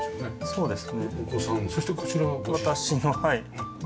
そうです。